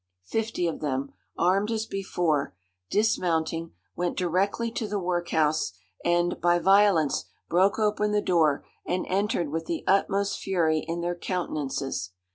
Fifty of them, armed as before, dismounting, went directly to the workhouse, and, by violence, broke open the door, and entered with the utmost fury in their countenances.